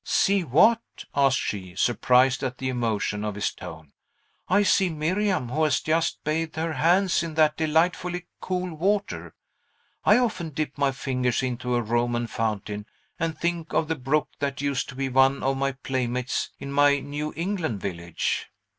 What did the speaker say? "See what?" asked she, surprised at the emotion of his tone. "I see Miriam, who has just bathed her hands in that delightfully cool water. I often dip my fingers into a Roman fountain, and think of the brook that used to be one of my playmates in my New England village."